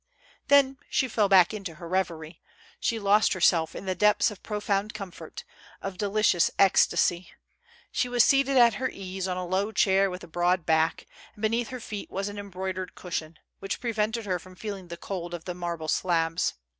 Then, she fell back into her reverie; she lost herself in the depths of profound comfort, of delicious ecstasy. She was seated at her ease on a low chair with a broad back, and beneath her feet was an embroidered cushion, which prevented her from feeling the cold of the mar ble slabs.